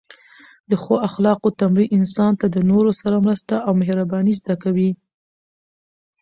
د ښو اخلاقو تمرین انسان ته د نورو سره مرسته او مهرباني زده کوي.